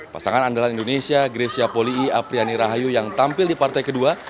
pasangan andalan indonesia grecia polii ⁇ apriani rahayu yang tampil di partai kedua